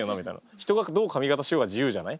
人がどう髪形しようが自由じゃない？